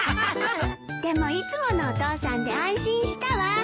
でもいつものお父さんで安心したわ。